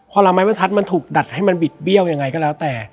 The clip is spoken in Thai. พอเราไม้บรรทัดมันถูกดัดให้มันบิดเบี้ยวยังไงก็แล้วแต่